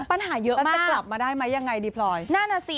ปัญหาเยอะมากแล้วจะกลับมาได้มั้ยยังไงดีพลอยนั่นอ่ะสิ